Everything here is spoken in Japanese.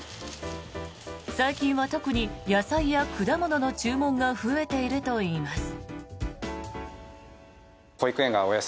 最近は特に野菜や果物の注文が増えているといいます。